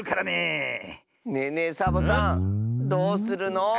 ねえねえサボさんどうするの？